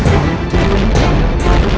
dia menantikan keadoan